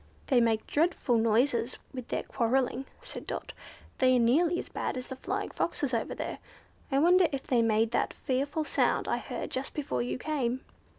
"They make a dreadful noise with their quarrelling," said Dot. "They are nearly as bad as the Flying Foxes over there. I wonder if they made that fearful sound I heard just before you came?"